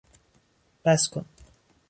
بس کن!